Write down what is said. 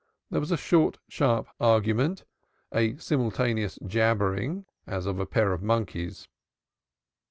There was a short, sharp argument, a simultaneous jabbering, as of a pair of monkeys.